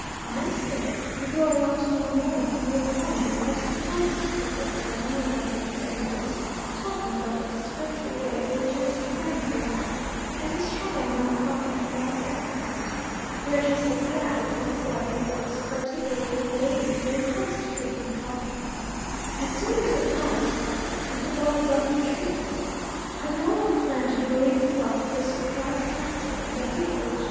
Aren't they! You go along to morrow morning, and you'll find your most promising pupils laying around them with their hoes, talking about the disgraceful way their dearest friends go on, and destroying young coffee right and left. They are just as bad, if not slightly worse, particularly the ladies, when it comes to picking coffee. As soon as your eye is off them, the bough is off the tree. I know one planter who leads the life of the Surprise Captain in W. H.